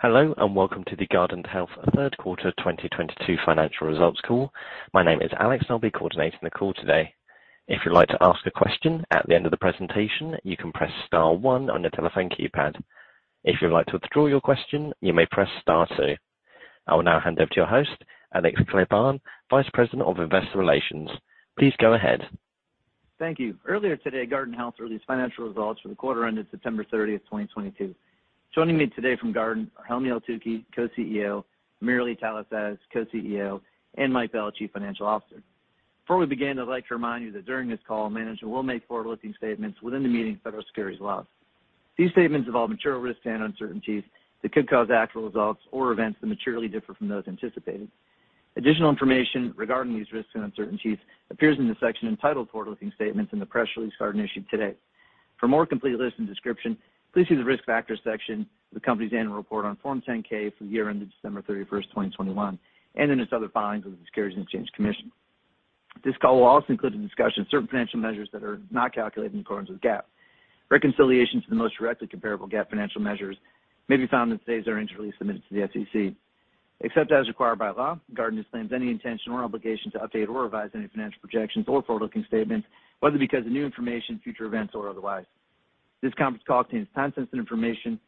Hello and welcome to the Guardant Health third 1/4 2022 financial results call. My name is Alex, and I'll be coordinating the call today. If you'd like to ask a question at the end of the presentation, you can press star one on your telephone keypad. If you'd like to withdraw your question, you may press star two. I will now hand over to your host, Alex Kleban, Vice President of Investor Relations. Please go ahead. Thank you. Earlier today, Guardant Health released financial results for the 1/4 ended September 30, 2022. Joining me today from Guardant are Helmy Eltoukhy, Co-CEO, AmirAli Talasaz, Co-CEO, and Mike Bell, Chief Financial Officer. Before we begin, I'd like to remind you that during this call, management will make Forward-Looking statements within the meaning of federal securities laws. These statements involve material risks and uncertainties that could cause actual results or events to materially differ from those anticipated. Additional information regarding these risks and uncertainties appears in the section entitled Forward-Looking Statements in the press release Guardant issued today. For a more complete list and description, please see the Risk Factors section of the company's annual report on Form 10-K for the year ended December 31, 2021, and in its other filings with the Securities and Exchange Commission. This call will also include a discussion of certain financial measures that are not calculated in accordance with GAAP. Reconciliation to the most directly comparable GAAP financial measures may be found in today's earnings release submitted to the SEC. Except as required by law, Guardant disclaims any intention or obligation to update or revise any financial projections or Forward-Looking statements, whether because of new information, future events, or otherwise. This conference call contains Time-Sensitive information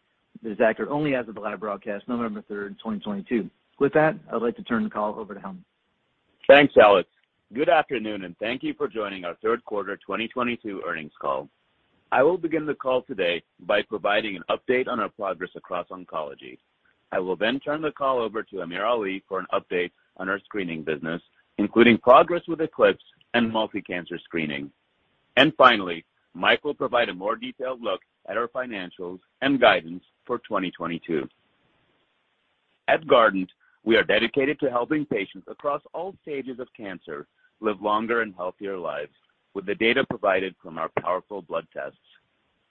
that is accurate only as of the live broadcast, November 3, 2022. With that, I would like to turn the call over to Helmy. Thanks, Alex. Good afternoon, and thank you for joining our third 1/4 2022 earnings call. I will begin the call today by providing an update on our progress across oncology. I will then turn the call over to AmirAli Talasaz for an update on our screening business, including progress with ECLIPSE and Multi-Cancer screening. Finally, Mike will provide a more detailed look at our financials and guidance for 2022. At Guardant, we are dedicated to helping patients across all stages of cancer live longer and healthier lives with the data provided from our powerful blood tests.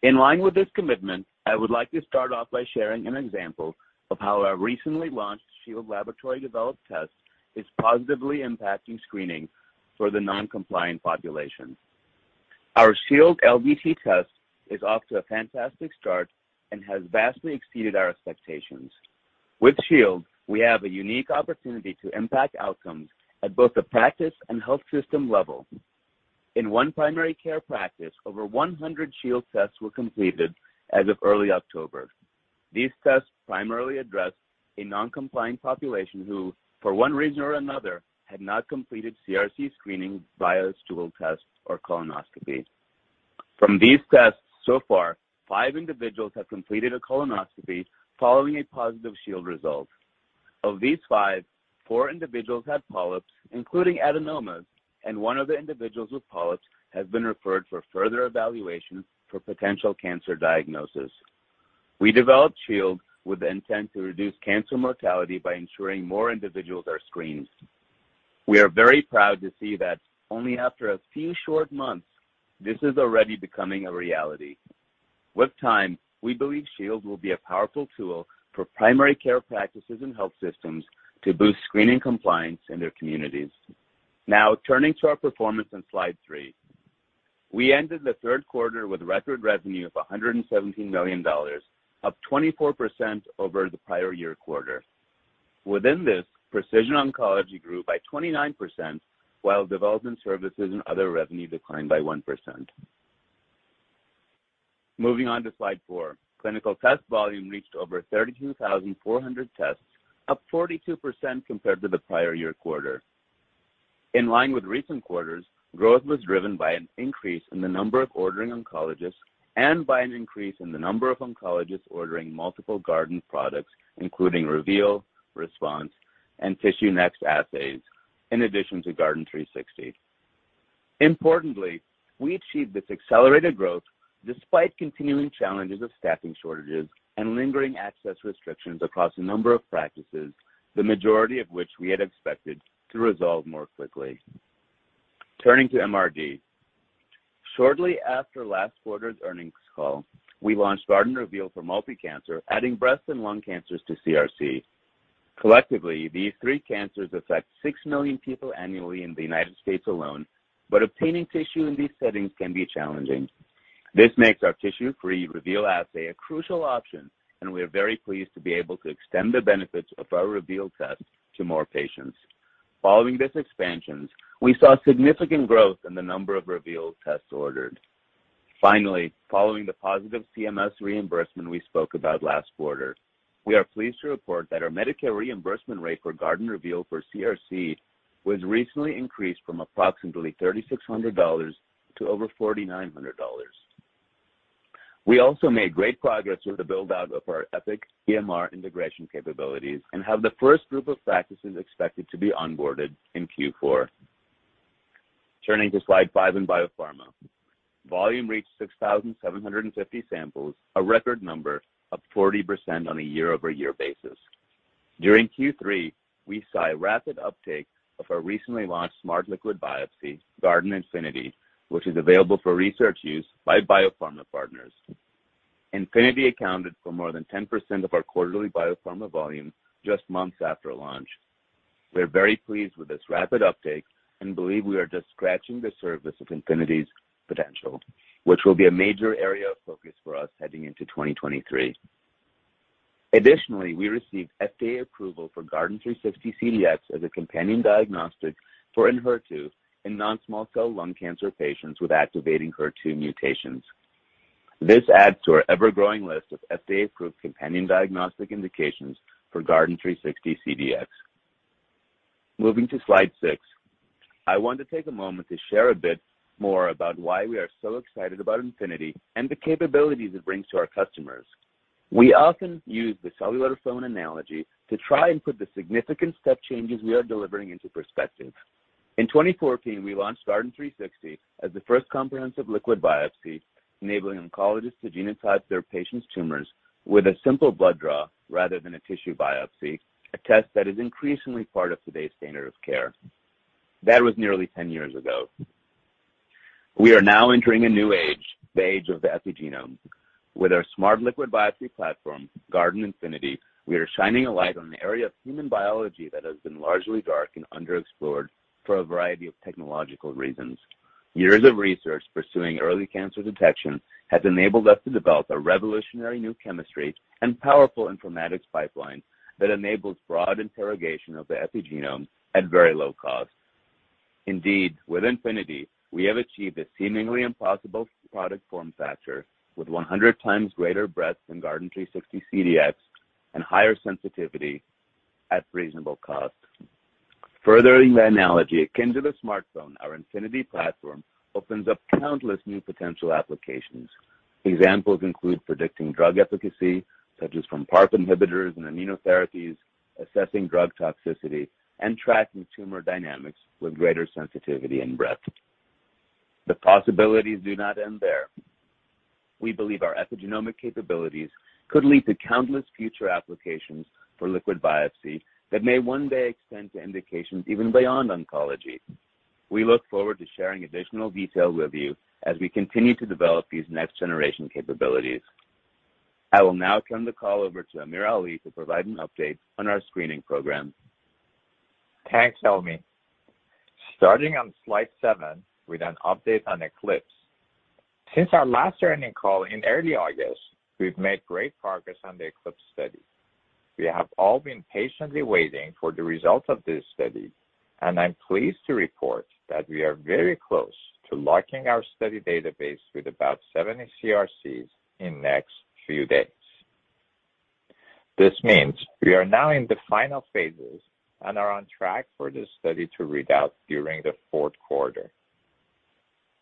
In line with this commitment, I would like to start off by sharing an example of how our recently launched Shield Laboratory-Developed test is positively impacting screening for the Non-compliant population. Our Shield LDT test is off to a fantastic start and has vastly exceeded our expectations. With Shield, we have a unique opportunity to impact outcomes at both the practice and health system level. In one primary care practice, over 100 Shield tests were completed as of early October. These tests primarily address a Non-compliant population who, for one reason or another, had not completed CRC screening via stool tests or colonoscopy. From these tests so far, five individuals have completed a colonoscopy following a positive Shield result. Of these five, four individuals had polyps, including adenomas, and one of the individuals with polyps has been referred for further evaluation for potential cancer diagnosis. We developed Shield with the intent to reduce cancer mortality by ensuring more individuals are screened. We are very proud to see that only after a few short months, this is already becoming a reality. With time, we believe Shield will be a powerful tool for primary care practices and health systems to boost screening compliance in their communities. Now turning to our performance on Slide 3. We ended the third 1/4 with record revenue of $117 million, up 24% over the prior year 1/4. Within this, precision oncology grew by 29%, while development services and other revenue declined by 1%. Moving on to Slide 4. Clinical test volume reached over 32,400 tests, up 42% compared to the prior year 1/4. In line with recent quarters, growth was driven by an increase in the number of ordering oncologists and by an increase in the number of oncologists ordering multiple Guardant products, including Reveal, Response, and TissueNext assays, in addition to Guardant360. Importantly, we achieved this accelerated growth despite continuing challenges of staffing shortages and lingering access restrictions across a number of practices, the majority of which we had expected to resolve more quickly. Turning to MRD. Shortly after last 1/4's earnings call, we launched Guardant Reveal for Multi-Cancer, adding breast and lung cancers to CRC. Collectively, these three cancers affect 6 million people annually in the United States alone, but obtaining tissue in these settings can be challenging. This makes our Tissue-Free Reveal assay a crucial option, and we are very pleased to be able to extend the benefits of our Reveal test to more patients. Following this expansion, we saw significant growth in the number of Reveal tests ordered. Finally, following the positive CMS reimbursement we spoke about last 1/4, we are pleased to report that our Medicare reimbursement rate for Guardant Reveal for CRC was recently increased from approximately $3,600 to over $4,900. We also made great progress with the build-out of our Epic EMR integration capabilities and have the first group of practices expected to be onboarded in Q4. Turning to Slide five in biopharma. Volume reached 6,750 samples, a record number, up 40% on a Year-Over-Year basis. During Q3, we saw a rapid uptake of our recently launched smart liquid biopsy, GuardantINFINITY, which is available for research use by biopharma partners. Infinity accounted for more than 10% of our quarterly biopharma volume just months after launch. We're very pleased with this rapid uptake and believe we are just scratching the surface of Infinity's potential, which will be a major area of focus for us heading into 2023. Additionally, we received FDA approval for Guardant360 CDx as a companion diagnostic for Enhertu in Non-small cell lung cancer patients with activating HER2 mutations. This adds to our ever-growing list of FDA-Approved companion diagnostic indications for Guardant360 CDx. Moving to Slide 6, I want to take a moment to share a bit more about why we are so excited about Infinity and the capabilities it brings to our customers. We often use the cellular phone analogy to try and put the significant step changes we are delivering into perspective. In 2014, we launched Guardant360 as the first comprehensive liquid biopsy, enabling oncologists to genotype their patients' tumors with a simple blood draw rather than a tissue biopsy, a test that is increasingly part of today's standard of care. That was nearly 10 years ago. We are now entering a new age, the age of the epigenome. With our smart liquid biopsy platform, Guardant INFINITY, we are shining a light on an area of human biology that has been largely dark and underexplored for a variety of technological reasons. Years of research pursuing early cancer detection has enabled us to develop a revolutionary new chemistry and powerful informatics pipeline that enables broad interrogation of the epigenome at very low cost. Indeed, with Infinity, we have achieved a seemingly impossible product form factor with 100 times greater breadth than Guardant360 CDx and higher sensitivity at reasonable cost. Furthering the analogy, akin to the smartphone, our Infinity platform opens up countless new potential applications. Examples include predicting drug efficacy, such as from PARP inhibitors and immunotherapies, assessing drug toxicity, and tracking tumor dynamics with greater sensitivity and breadth. The possibilities do not end there. We believe our epigenomic capabilities could lead to countless future applications for liquid biopsy that may one day extend to indications even beyond oncology. We look forward to sharing additional details with you as we continue to develop these next-generation capabilities. I will now turn the call over to AmirAli to provide an update on our screening program. Thanks, Helmy. Starting on Slide 7 with an update on ECLIPSE. Since our last earnings call in early August, we've made great progress on the ECLIPSE study. We have all been patiently waiting for the results of this study, and I'm pleased to report that we are very close to locking our study database with about 70 CRCs in next few days. This means we are now in the final phases and are on track for this study to read out during the fourth 1/4.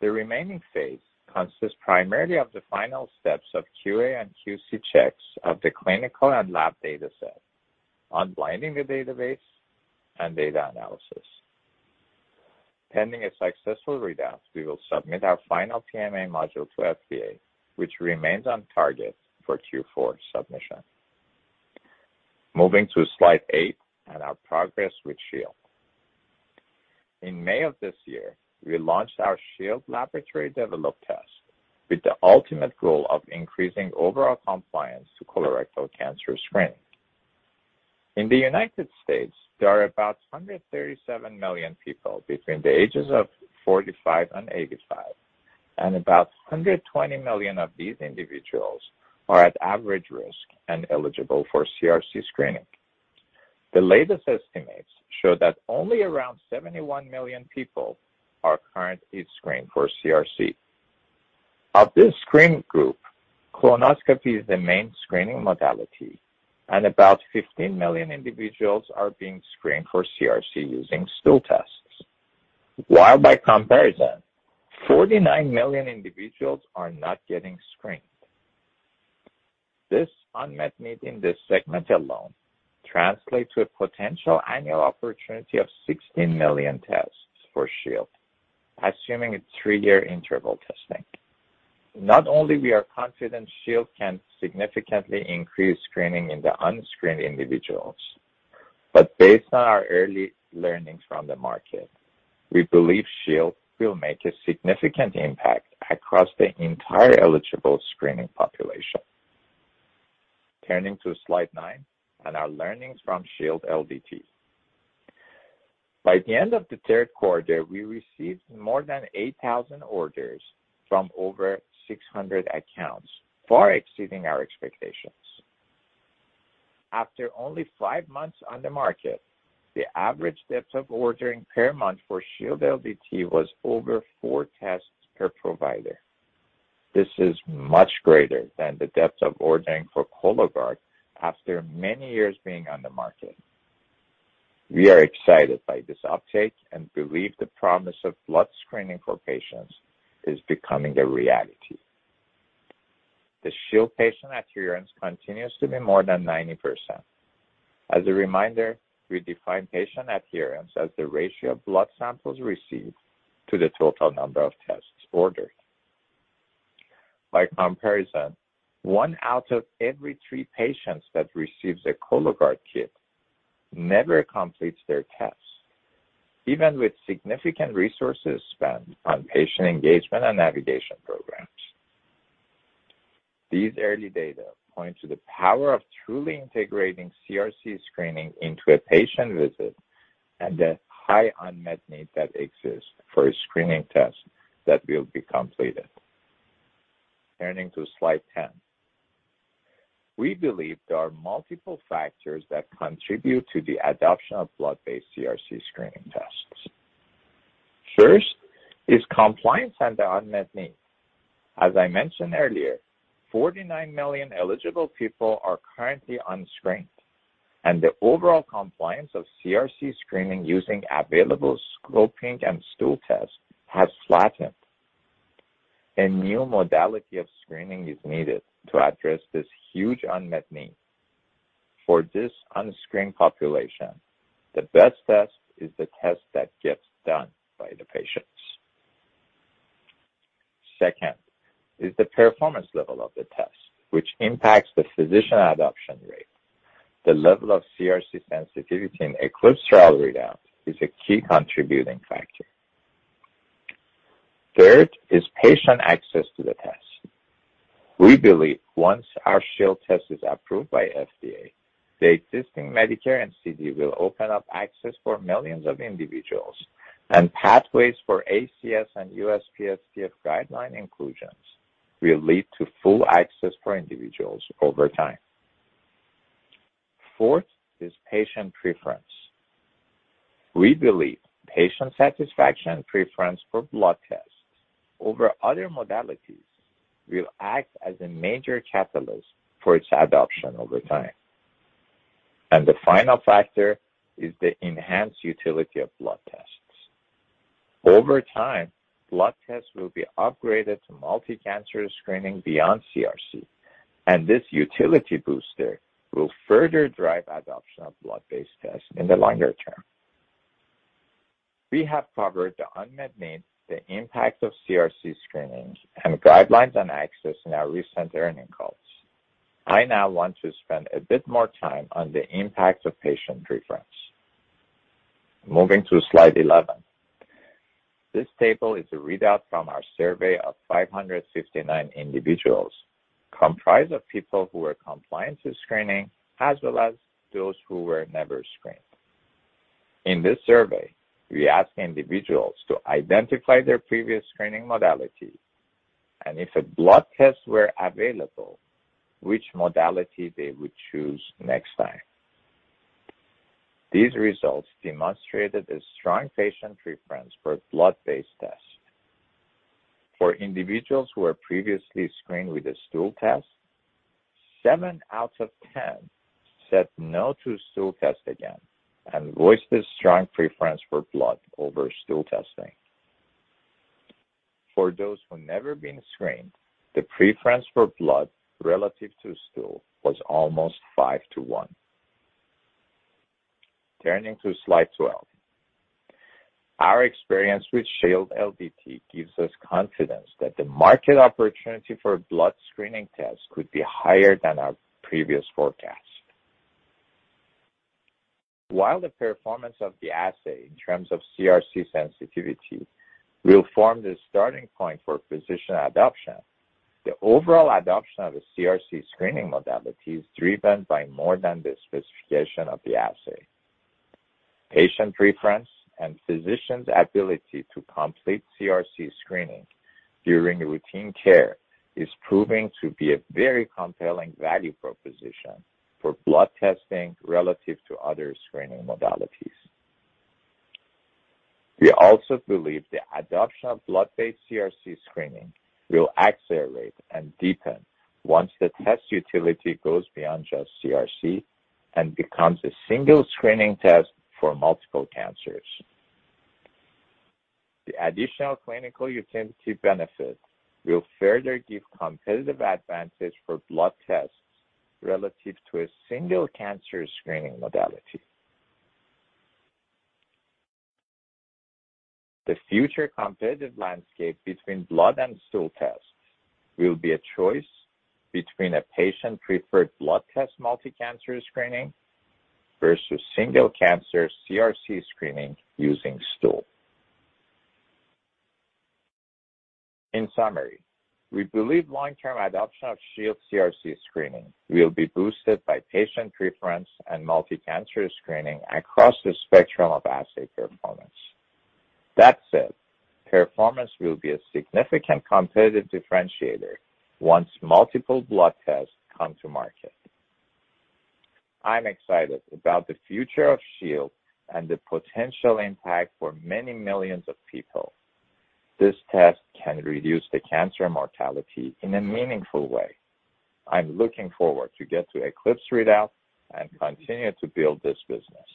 The remaining phase consists primarily of the final steps of QA and QC checks of the clinical and lab data set, unblinding the database and data analysis. Pending a successful readout, we will submit our final PMA module to FDA, which remains on target for Q4 submission. Moving to Slide 8 on our progress with Shield. In May of this year, we launched our Shield Laboratory-Developed test with the ultimate goal of increasing overall compliance to colorectal cancer screening. In the United States, there are about 137 million people between the ages of 45 and 85, and about 120 million of these individuals are at average risk and eligible for CRC screening. The latest estimates show that only around 71 million people are currently screened for CRC. Of this screened group, colonoscopy is the main screening modality and about 15 million individuals are being screened for CRC using stool tests, while by comparison, 49 million individuals are not getting screened. This unmet need in this segment alone translates to a potential annual opportunity of 16 million tests for Shield, assuming a 3-year interval testing. Not only we are confident Shield can significantly increase screening in the unscreened individuals, but based on our early learnings from the market, we believe Shield will make a significant impact across the entire eligible screening population. Turning to Slide nine on our learnings from Shield LDT. By the end of the third 1/4, we received more than 8,000 orders from over 600 accounts, far exceeding our expectations. After only 5 months on the market, the average depth of ordering per month for Shield LDT was over 4 tests per provider. This is much greater than the depth of ordering for Cologuard after many years being on the market. We are excited by this uptake and believe the promise of blood screening for patients is becoming a reality. The Shield patient adherence continues to be more than 90%. As a reminder, we define patient adherence as the ratio of blood samples received to the total number of tests ordered. By comparison, one out of every three patients that receives a Cologuard kit never completes their tests, even with significant resources spent on patient engagement and navigation programs. These early data point to the power of truly integrating CRC screening into a patient visit and the high unmet need that exists for a screening test that will be completed. Turning to Slide 10. We believe there are multiple factors that contribute to the adoption of blood-based CRC screening tests. First is compliance and the unmet need. As I mentioned earlier, 49 million eligible people are currently unscreened, and the overall compliance of CRC screening using available colonoscopy and stool tests has flattened. A new modality of screening is needed to address this huge unmet need. For this unscreened population, the best test is the test that gets done by the patients. Second is the performance level of the test, which impacts the physician adoption rate. The level of CRC sensitivity in ECLIPSE trial readout is a key contributing factor. 1/3 is patient access to the test. We believe once our Shield test is approved by FDA, the existing Medicare and CED will open up access for millions of individuals. Pathways for ACS and USPSTF guideline inclusions will lead to full access for individuals over time. Fourth is patient preference. We believe patient satisfaction and preference for blood tests over other modalities will act as a major catalyst for its adoption over time. The final factor is the enhanced utility of blood tests. Over time, blood tests will be upgraded to Multi-Cancer screening beyond CRC, and this utility booster will further drive adoption of Blood-Based tests in the longer term. We have covered the unmet need, the impact of CRC screenings, and guidelines on access in our recent earnings calls. I now want to spend a bit more time on the impact of patient preference. Moving to Slide 11. This table is a readout from our survey of 559 individuals comprised of people who were compliant to screening, as well as those who were never screened. In this survey, we asked individuals to identify their previous screening modality and if a blood test were available, which modality they would choose next time. These results demonstrated a strong patient preference for blood-based test. For individuals who were previously screened with a stool test, 7 out of 10 said no to stool test again and voiced a strong preference for blood over stool testing. For those who never been screened, the preference for blood relative to stool was almost 5 to 1. Turning to Slide 12. Our experience with Shield LDT gives us confidence that the market opportunity for blood screening tests could be higher than our previous forecast. While the performance of the assay in terms of CRC sensitivity will form the starting point for physician adoption, the overall adoption of a CRC screening modality is driven by more than the specification of the assay. Patient preference and physician's ability to complete CRC screening during routine care is proving to be a very compelling value proposition for blood testing relative to other screening modalities. We also believe the adoption of blood-based CRC screening will accelerate and deepen once the test utility goes beyond just CRC and becomes a single screening test for multiple cancers. The additional clinical utility benefit will further give competitive advantage for blood tests relative to a single cancer screening modality. The future competitive landscape between blood and stool tests will be a choice between a Patient-Preferred blood test Multi-Cancer screening versus single-cancer CRC screening using stool. In summary, we believe Long-Term adoption of Shield CRC screening will be boosted by patient preference and Multi-Cancer screening across the spectrum of assay performance. That said, performance will be a significant competitive differentiator once multiple blood tests come to market. I'm excited about the future of Shield and the potential impact for many millions of people. This test can reduce the cancer mortality in a meaningful way. I'm looking forward to get to ECLIPSE readout and continue to build this business.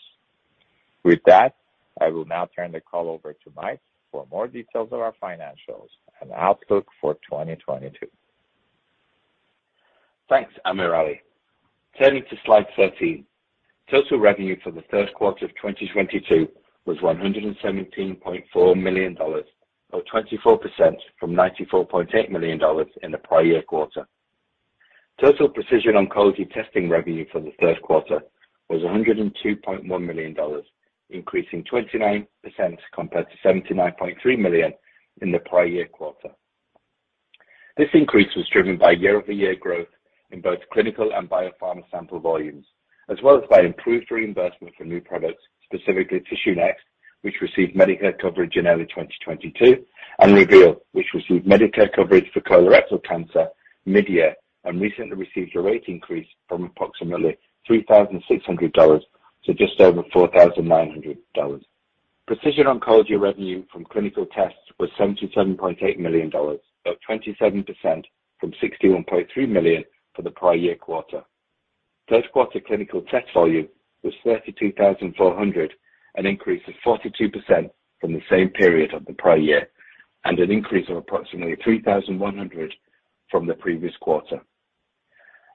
With that, I will now turn the call over to Mike for more details of our financials and outlook for 2022. Thanks, AmirAli. Turning to Slide 13. Total revenue for the first 1/4 of 2022 was $117.4 million, up 24% from $94.8 million in the prior 1/4. Total precision oncology testing revenue for the first 1/4 was $102.1 million, increasing 29% compared to $79.3 million in the prior year 1/4. This increase was driven by Year-Over-Year growth in both clinical and biopharma sample volumes, as well as by improved reimbursement for new products, specifically Guardant360 TissueNext, which received Medicare coverage in early 2022, and Guardant Reveal, which received Medicare coverage for colorectal cancer Mid-Year, and recently received a rate increase from approximately $3,600 to just over $4,900. Precision Oncology revenue from clinical tests was $77.8 million, up 27% from $61.3 million for the prior year 1/4. Third 1/4 clinical test volume was 32,400, an increase of 42% from the same period of the prior year, and an increase of approximately 3,100 from the previous 1/4.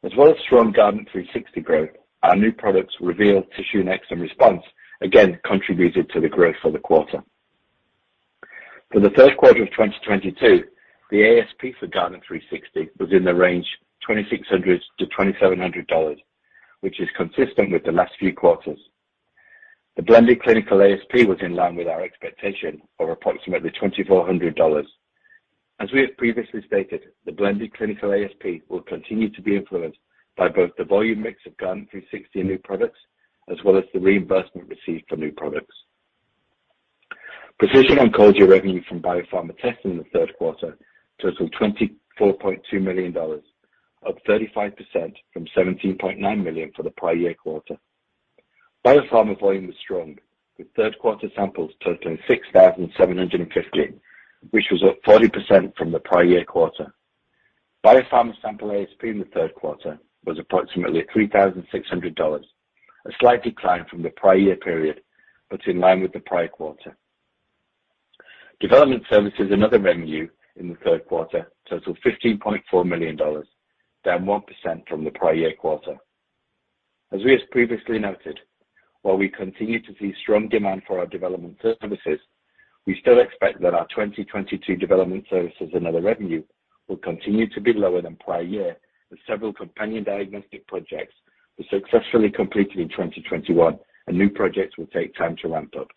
Was well as strong Guardant360 growth, our new products Reveal, TissueNext and Response again contributed to the growth for the 1/4. For the first 1/4 of 2022, the ASP for Guardant360 was in the range $2,600-$2,700, which is consistent with the last few quarters. The blended clinical ASP was in line with our expectation of approximately $2,400. As we have previously stated, the blended clinical ASP will continue to be influenced by both the volume mix of Guardant360 and new products, as well as the reimbursement received for new products. Precision Oncology revenue from biopharma tests in the third 1/4 totaled $24.2 million, up 35% from $17.9 million for the prior year 1/4. Biopharma volume was strong, with third 1/4 samples totaling 6,750, which was up 40% from the prior year 1/4. Biopharma sample ASP in the third 1/4 was approximately $3,600, a slight decline from the prior year period, but in line with the prior 1/4. Development services and other revenue in the third 1/4 totaled $15.4 million, down 1% from the prior year 1/4. As we have previously noted, while we continue to see strong demand for our development services, we still expect that our 2022 development services and other revenue will continue to be lower than prior year, as several companion diagnostic projects were successfully completed in 2021 and new projects will take time to ramp up.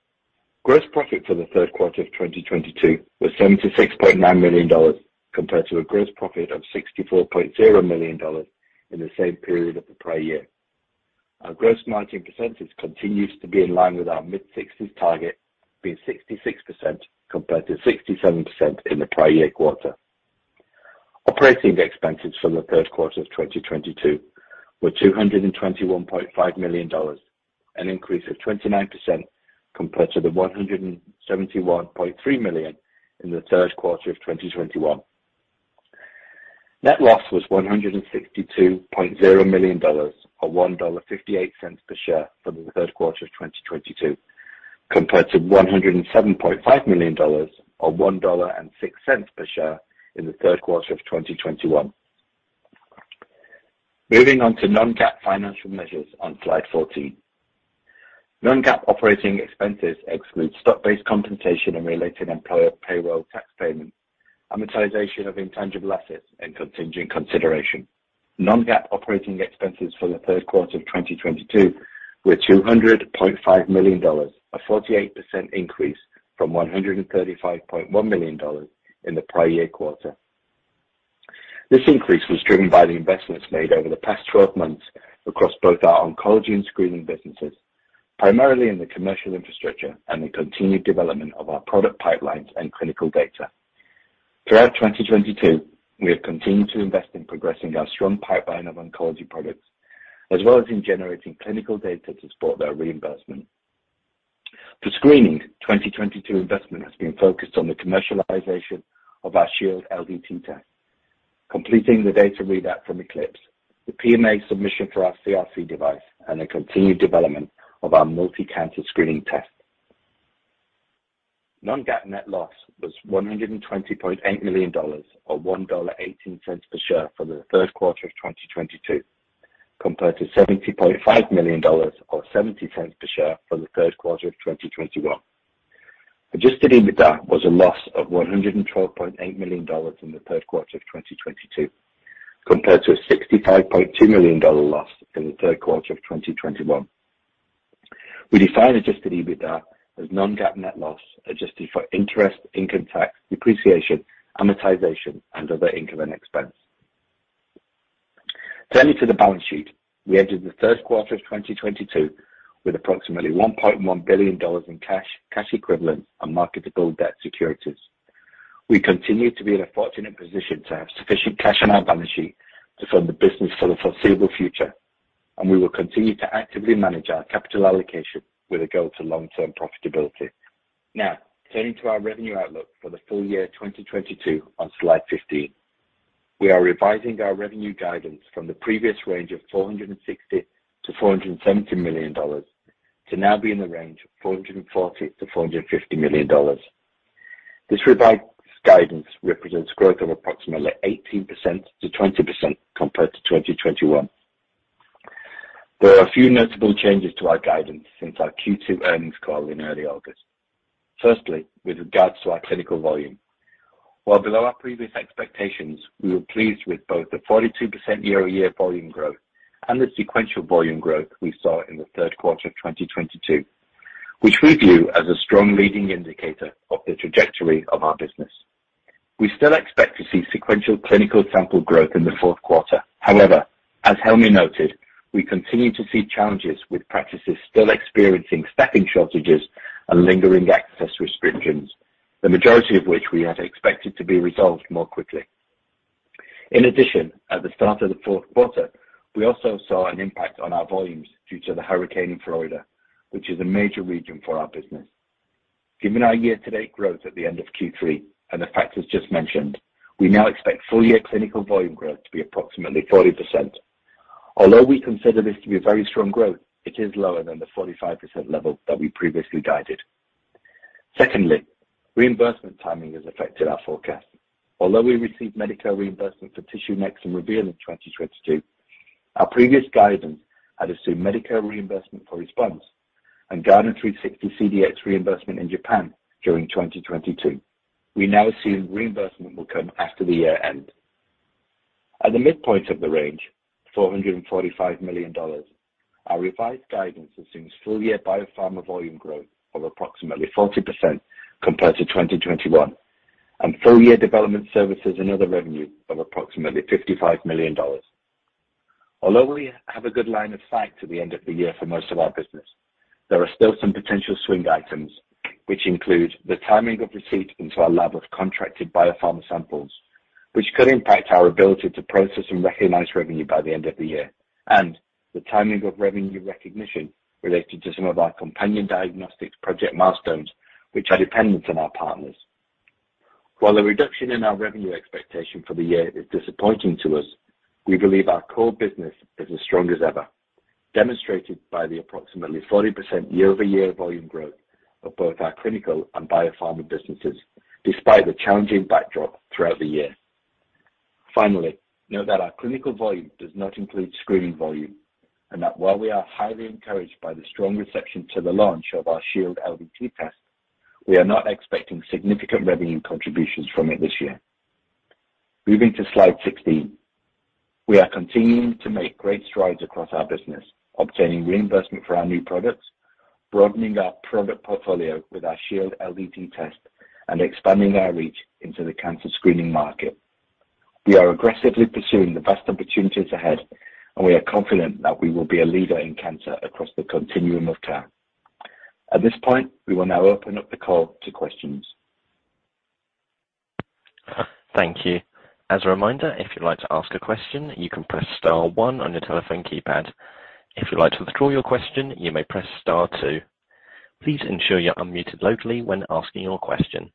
Gross profit for the third 1/4 of 2022 was $76.9 million, compared to a gross profit of $64.0 million in the same period of the prior year. Our gross margin percentage continues to be in line with our mid-sixties target, being 66% compared to 67% in the prior year 1/4. Operating expenses for the third 1/4 of 2022 were $221.5 million, an increase of 29% compared to the $171.3 million in the third 1/4 of 2021. Net loss was $162.0 million or $1.58 per share for the third 1/4 of 2022, compared to $107.5 million or $1.06 per share in the third 1/4 of 2021. Moving on to Non-GAAP financial measures on Slide 14. Non-GAAP operating expenses exclude stock-based compensation and related employer payroll tax payments, amortization of intangible assets, and contingent consideration. Non-GAAP operating expenses for the third 1/4 of 2022 were $200.5 million, a 48% increase from $135.1 million in the prior year 1/4. This increase was driven by the investments made over the past 12 months across both our oncology and screening businesses, primarily in the commercial infrastructure and the continued development of our product pipelines and clinical data. Throughout 2022, we have continued to invest in progressing our strong pipeline of oncology products, as well as in generating clinical data to support our reimbursement. For screening, 2022 investment has been focused on the commercialization of our Shield LDT test, completing the data readout from Eclipse, the PMA submission for our CRC device, and the continued development of our Multi-Cancer screening test. Non-GAAP net loss was $120.8 million, or $1.18 per share for the third 1/4 of 2022, compared to $70.5 million or $0.70 per share for the third 1/4 of 2021. Adjusted EBITDA was a loss of $112.8 million in the third 1/4 of 2022, compared to a $65.2 million loss in the third 1/4 of 2021. We define adjusted EBITDA as Non-GAAP net loss, adjusted for interest, income tax, depreciation, amortization, and other income and expense. Turning to the balance sheet, we ended the third 1/4 of 2022 with approximately $1.1 billion in cash equivalents, and marketable debt securities. We continue to be in a fortunate position to have sufficient cash on our balance sheet to fund the business for the foreseeable future, and we will continue to actively manage our capital allocation with a goal to Long-Term profitability. Now, turning to our revenue outlook for the full year 2022 on Slide 15. We are revising our revenue guidance from the previous range of $460-$470 million to now be in the range of $440-$450 million. This revised guidance represents growth of approximately 18%-20% compared to 2021. There are a few notable changes to our guidance since our Q2 earnings call in early August. Firstly, with regards to our clinical volume. While below our previous expectations, we were pleased with both the 42% Year-Over-Year volume growth and the sequential volume growth we saw in the third 1/4 of 2022, which we view as a strong leading indicator of the trajectory of our business. We still expect to see sequential clinical sample growth in the fourth 1/4. However, as Helmy noted, we continue to see challenges with practices still experiencing staffing shortages and lingering access restrictions, the majority of which we had expected to be resolved more quickly. In addition, at the start of the fourth 1/4, we also saw an impact on our volumes due to the hurricane in Florida, which is a major region for our business. Given our year-to-date growth at the end of Q3 and the factors just mentioned, we now expect full-year clinical volume growth to be approximately 40%. Although we consider this to be a very strong growth, it is lower than the 45% level that we previously guided. Secondly, reimbursement timing has affected our forecast. Although we received Medicare reimbursement for TissueNext and Reveal in 2022, our previous guidance had assumed Medicare reimbursement for Response and Guardant360 CDx reimbursement in Japan during 2022. We now assume reimbursement will come after the year-end. At the midpoint of the range, $445 million, our revised guidance assumes full-year biopharma volume growth of approximately 40% compared to 2021 and full-year development services and other revenue of approximately $55 million. Although we have a good line of sight to the end of the year for most of our business, there are still some potential swing items which include the timing of receipt into our lab of contracted biopharma samples, which could impact our ability to process and recognize revenue by the end of the year, and the timing of revenue recognition related to some of our companion diagnostics project milestones, which are dependent on our partners. While the reduction in our revenue expectation for the year is disappointing to us, we believe our core business is as strong as ever, demonstrated by the approximately 40% Year-Over-Year volume growth of both our clinical and biopharma businesses despite the challenging backdrop throughout the year. Finally, note that our clinical volume does not include screening volume and that while we are highly encouraged by the strong reception to the launch of our Shield LDT test, we are not expecting significant revenue contributions from it this year. Moving to Slide 16. We are continuing to make great strides across our business, obtaining reimbursement for our new products, broadening our product portfolio with our Shield LDT test, and expanding our reach into the cancer screening market. We are aggressively pursuing the best opportunities ahead, and we are confident that we will be a leader in cancer across the continuum of care. At this point, we will now open up the call to questions. Thank you. As a reminder, if you'd like to ask a question, you can press star one on your telephone keypad. If you'd like to withdraw your question, you may press star two. Please ensure you're unmuted locally when asking your question.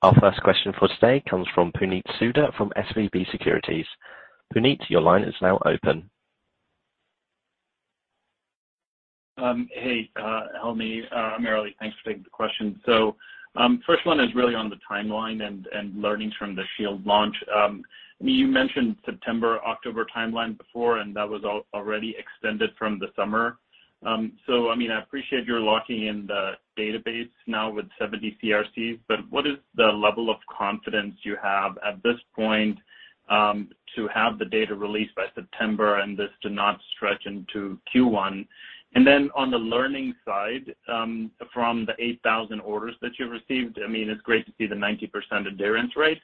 Our first question for today comes from Puneet Souda from SVB Securities. Puneet, your line is now open. Hey, Helmy Eltoukhy. Thanks for taking the question. First one is really on the timeline and learnings from the Shield launch. You mentioned September-October timeline before, and that was already extended from the summer. I mean, I appreciate you're locking in the database now with 70 CRCs, but what is the level of confidence you have at this point to have the data released by September and this to not stretch into Q1? Then on the learning side, from the 8,000 orders that you've received, I mean, it's great to see the 90% adherence rate.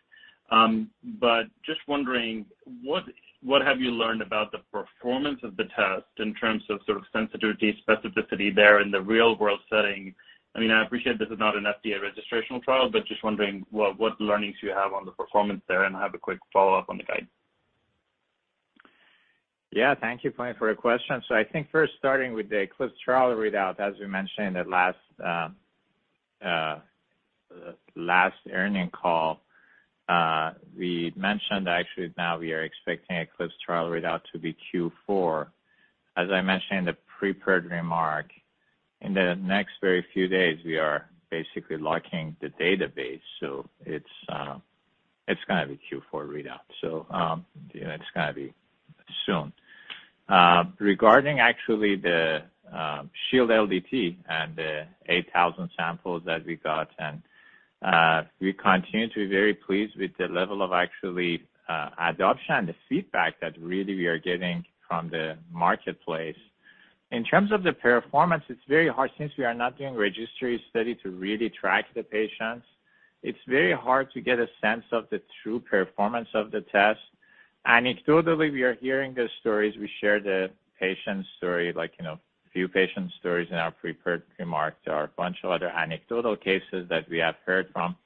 But just wondering, what have you learned about the performance of the test in terms of sort of sensitivity, specificity there in the real-world setting? I mean, I appreciate this is not an FDA registrational trial, but just wondering what learnings you have on the performance there, and I have a quick Follow-Up on the guide. Yeah. Thank you, Puneet, for your question. I think first starting with the ECLIPSE trial readout, as we mentioned at last earnings call, we mentioned actually now we are expecting ECLIPSE trial readout to be Q4. As I mentioned in the prepared remark, in the next very few days, we are basically locking the database. It's gonna be Q4 readout, so you know, it's gonna be soon. Regarding actually the Shield LDT and the 8,000 samples that we got, and we continue to be very pleased with the level of actually adoption, the feedback that really we are getting from the marketplace. In terms of the performance, it's very hard since we are not doing registry study to really track the patients. It's very hard to get a sense of the true performance of the test. Anecdotally, we are hearing the stories. We share the patient's story, like, you know, a few patient stories in our prepared remarks. There are a bunch of other anecdotal cases that we have heard from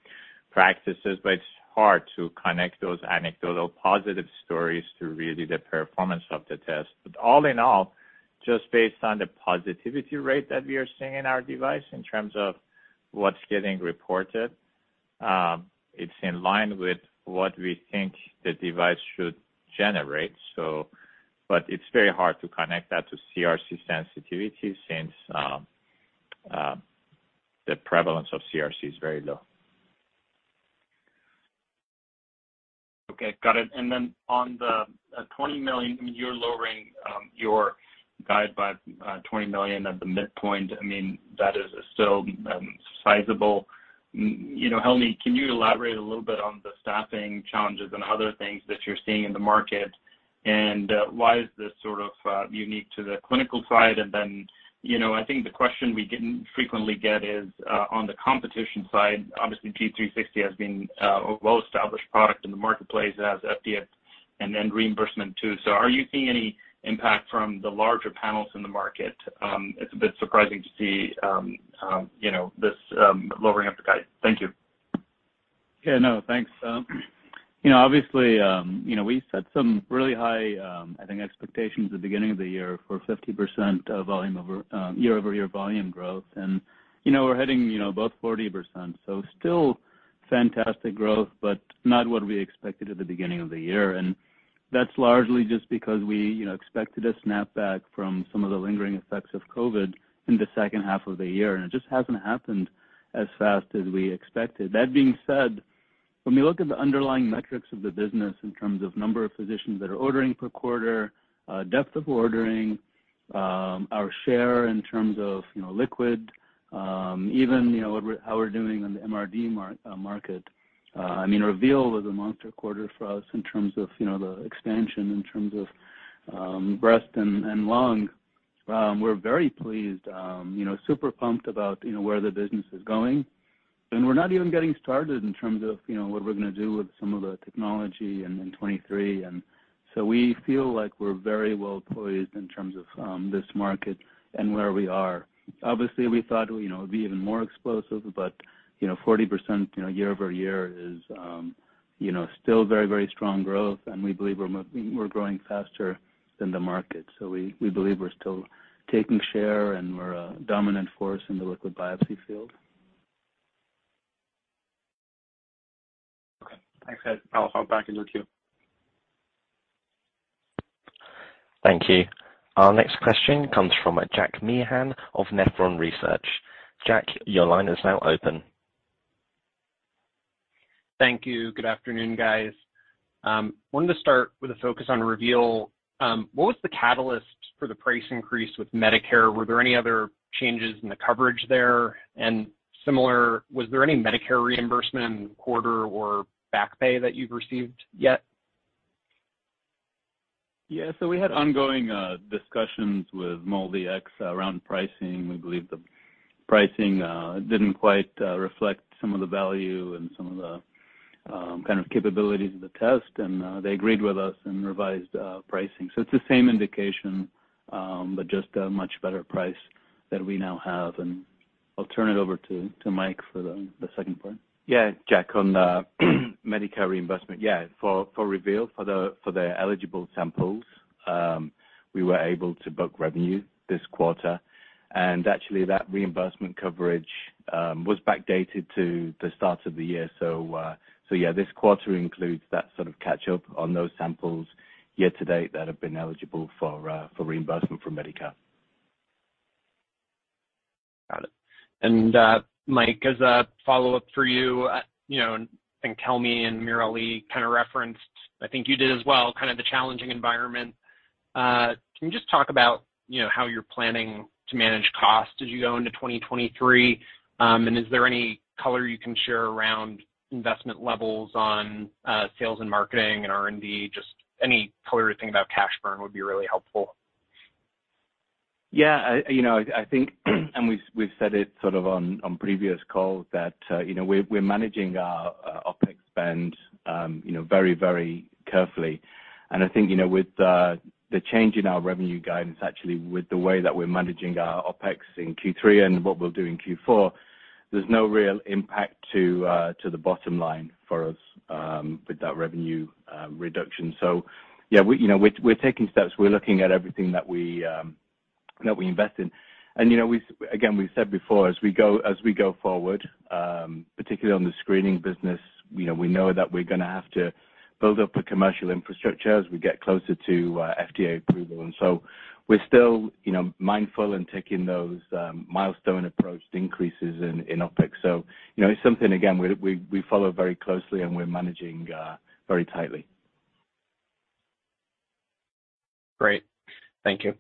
practices, but it's hard to connect those anecdotal positive stories to really the performance of the test. All in all, just based on the positivity rate that we are seeing in our device in terms of what's getting reported, it's in line with what we think the device should generate, but it's very hard to connect that to CRC sensitivity since the prevalence of CRC is very low. Okay, got it. Then on the $20 million, I mean, you're lowering your guide by $20 million at the midpoint. I mean, that is still sizable. You know, Helmy, can you elaborate a little bit on the staffing challenges and other things that you're seeing in the market, and why is this sort of unique to the clinical side? Then, you know, I think the question we didn't frequently get is on the competition side, obviously G360 has been a Well-Established product in the marketplace as FDA and then reimbursement too. So are you seeing any impact from the larger panels in the market? It's a bit surprising to see you know, this lowering of the guide. Thank you. Yeah, no. Thanks. You know, obviously, you know, we set some really high, I think expectations at the beginning of the year for 50% Year-Over-Year volume growth. You know, we're hitting, you know, about 40%. Still fantastic growth, but not what we expected at the beginning of the year. That's largely just because we, you know, expected a snapback from some of the lingering effects of COVID in the second half of the year, and it just hasn't happened as fast as we expected. That being said, when we look at the underlying metrics of the business in terms of number of physicians that are ordering per 1/4, depth of ordering, our share in terms of, you know, liquid, even, you know, how we're doing on the MRD market, I mean, Reveal was a monster 1/4 for us in terms of, you know, the expansion in terms of, breast and lung. We're very pleased, you know, super pumped about, you know, where the business is going. We're not even getting started in terms of, you know, what we're gonna do with some of the technology and in 2023. We feel like we're very well poised in terms of, this market and where we are. Obviously, we thought, you know, it would be even more explosive, but, you know, 40% Year-Over-Year is, you know, still very, very strong growth, and we believe we're growing faster than the market. We believe we're still taking share, and we're a dominant force in the liquid biopsy field. Okay. Thanks, guys. I'll hop back in the queue. Thank you. Our next question comes from Jack Meehan of Nephron Research. Jack, your line is now open. Thank you. Good afternoon, guys. Wanted to start with a focus on Reveal. What was the catalyst for the price increase with Medicare? Were there any other changes in the coverage there? Similar, was there any Medicare reimbursement 1/4 or back pay that you've received yet? Yeah. We had ongoing discussions with MolDX around pricing. We believe the pricing didn't quite reflect some of the value and some of the kind of capabilities of the test, and they agreed with us and revised the pricing. It's the same indication, but just a much better price that we now have. I'll turn it over to Mike for the second part. Yeah. Jack, on the Medicare reimbursement. Yeah, for Reveal, for the eligible samples, we were able to book revenue this 1/4. Actually that reimbursement coverage was backdated to the start of the year. Yeah, this 1/4 includes that sort of catch up on those samples year to date that have been eligible for reimbursement from Medicare. Got it. Mike, as a Follow-Up for you know, and Helmy and AmirAli kinda referenced, I think you did as well, kind of the challenging environment. Can you just talk about, you know, how you're planning to manage costs as you go into 2023? Is there any color you can share around investment levels on sales and marketing and R&D? Just any color you're thinking about cash burn would be really helpful. Yeah. You know, I think we've said it sort of on previous calls that, you know, we're managing our OpEx spend, you know, very carefully. I think, you know, with the change in our revenue guidance, actually with the way that we're managing our OpEx in Q3 and what we'll do in Q4, there's no real impact to the bottom line for us with that revenue reduction. Yeah, you know, we're taking steps. We're looking at everything that we invest in. You know, again, we've said before, as we go forward, particularly on the screening business, you know, we know that we're gonna have to build up a commercial infrastructure as we get closer to FDA approval. We're still, you know, mindful in taking those milestone approach increases in OpEx. You know, it's something, again, we follow very closely, and we're managing very tightly. Great. Thank you.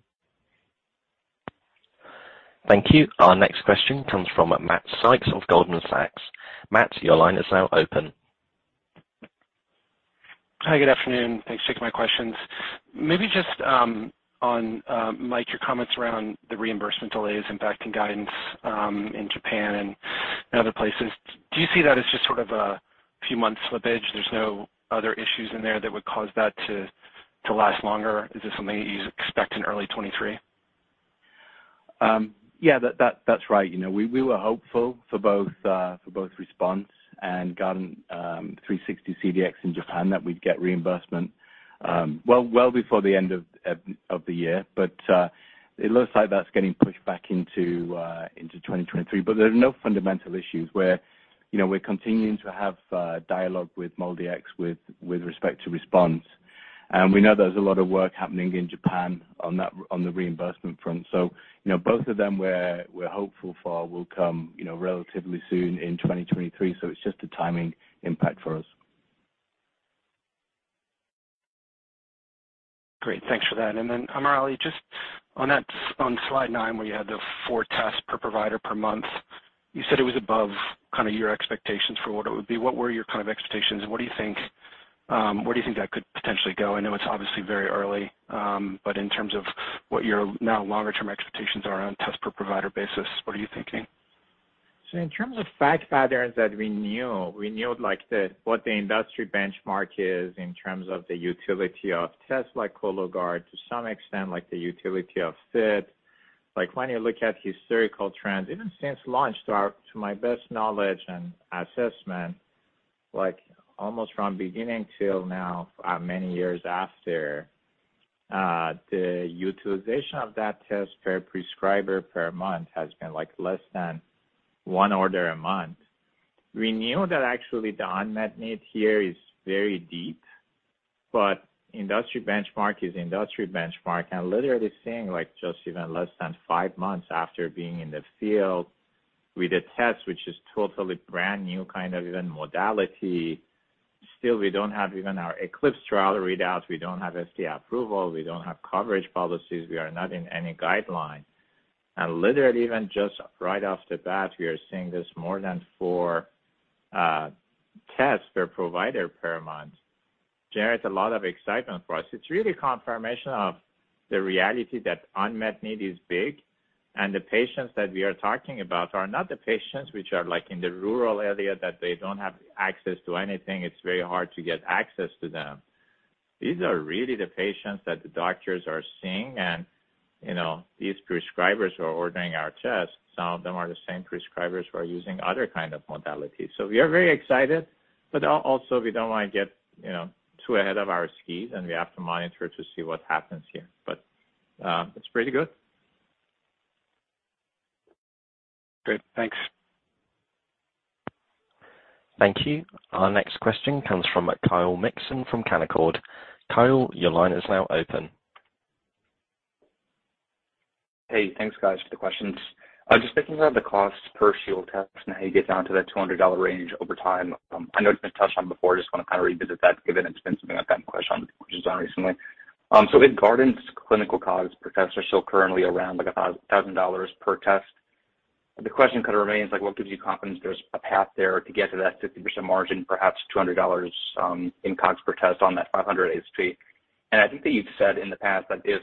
Thank you. Our next question comes from Matthew Sykes of Goldman Sachs. Matt, your line is now open. Hi, good afternoon. Thanks for taking my questions. Maybe just on Mike, your comments around the reimbursement delays impacting guidance in Japan and in other places. Do you see that as just sort of a few months slippage? There's no other issues in there that would cause that to last longer. Is this something that you expect in early 2023? That's right. You know, we were hopeful for both response and Guardant360 CDx in Japan that we'd get reimbursement well before the end of the year. It looks like that's getting pushed back into 2023. There are no fundamental issues where, you know, we're continuing to have dialogue with MolDX with respect to response. We know there's a lot of work happening in Japan on the reimbursement front. You know, both of them we're hopeful for will come, you know, relatively soon in 2023. It's just a timing impact for us. Great. Thanks for that. Then AmirAli, just on that, on Slide nine, where you had the four tests per provider per month, you said it was above kind of your expectations for what it would be. What were your kind of expectations? What do you think, where do you think that could potentially go? I know it's obviously very early, but in terms of what your now longer term expectations are on a test per provider basis, what are you thinking? In terms of fact patterns that we knew, we knew like the, what the industry benchmark is in terms of the utility of tests like Cologuard to some extent, like the utility of FIT. Like, when you look at historical trends, even since launch, to my best knowledge and assessment, like almost from beginning till now, many years after, the utilization of that test per prescriber per month has been like less than one order a month. We knew that actually the unmet need here is very deep, but industry benchmark is industry benchmark. Literally seeing like just even less than five months after being in the field with a test which is totally brand new kind of even modality, still we don't have even our ECLIPSE trial readouts, we don't have FDA approval, we don't have coverage policies, we are not in any guideline. Literally even just right off the bat, we are seeing this more than four tests per provider per month generates a lot of excitement for us. It's really confirmation of the reality that unmet need is big, and the patients that we are talking about are not the patients which are like in the rural area that they don't have access to anything, it's very hard to get access to them. These are really the patients that the doctors are seeing and, you know, these prescribers who are ordering our tests, some of them are the same prescribers who are using other kind of modalities. We are very excited, but also we don't want to get, you know, too ahead of our skis and we have to monitor to see what happens here. It's pretty good. Great. Thanks. Thank you. Our next question comes from Kyle Mikson from Canaccord. Kyle, your line is now open. Hey, thanks guys for the questions. Just thinking about the cost per Shield test and how you get down to that $200 range over time. I know it's been touched on before. I just wanna kind of revisit that given it's been something I've gotten questions on recently. So if Guardant's clinical COGS per test are still currently around like a $1,000 per test, the question kind of remains like what gives you confidence there's a path there to get to that 50% margin, perhaps $200, in COGS per test on that $500 ASP. I think that you've said in the past that if,